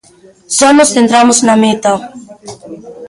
Só nos centramos na meta.